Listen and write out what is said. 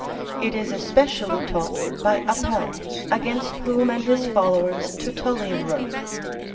It is especially taught by Apelles, against whom and his followers Tertullian wrote.